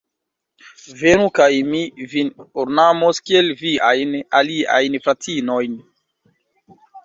Venu, kaj mi vin ornamos kiel viajn aliajn fratinojn!